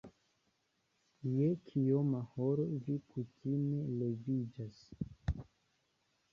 Je kioma horo vi kutime leviĝas?